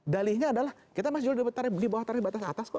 dalihnya adalah kita masih jual tarif di bawah tarif batas atas kok